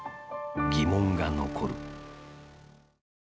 疑問が残る。